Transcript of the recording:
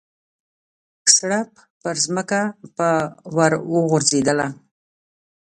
سړپ پرځمکه به ور وغورځېدله.